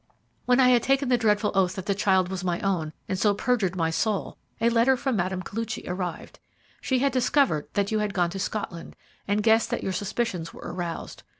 When I had taken the dreadful oath that the child was my own, and so perjured my soul, a letter from Mme. Koluchy arrived. She had discovered that you had gone to Scotland, and guessed that your suspicions were aroused.